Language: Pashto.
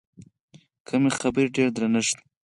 کمې خبرې، ډېر درنښت.